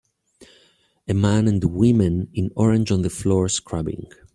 A man and women in orange on the floor scrubbing.